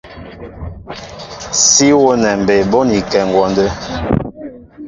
Sí wónɛ mbey bónikɛ ŋgwɔndə́.